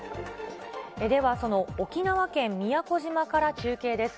では、その沖縄県宮古島から中継です。